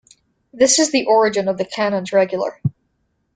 This is the origin of the canons regular.